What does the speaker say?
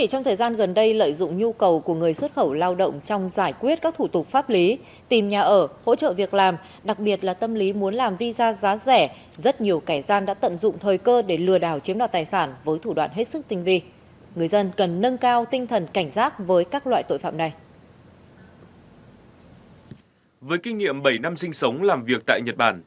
trong thời gian gần đây lợi dụng nhu cầu của người xuất khẩu lao động trong giải quyết các thủ tục pháp lý tìm nhà ở hỗ trợ việc làm đặc biệt là tâm lý muốn làm visa giá rẻ rất nhiều cải gian đã tận dụng thời cơ để lừa đảo chiếm đoạt tài sản với thủ đoạn hết sức tinh vi người dân cần nâng cao tinh thần cảnh giác với các loại tội phạm này